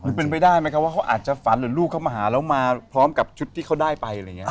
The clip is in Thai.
เป็นไปได้ไหมครับว่าเขาอาจจะฝันหรือลูกเข้ามาหาแล้วมาพร้อมกับชุดที่เขาได้ไปอะไรอย่างนี้